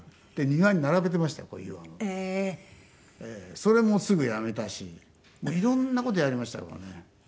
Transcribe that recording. それもすぐやめたしもう色んな事やりましたからね。